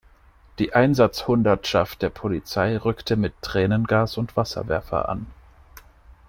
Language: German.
Die Einsatzhundertschaft der Polizei rückte mit Tränengas und Wasserwerfer an.